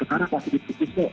perkara pasti ditutupin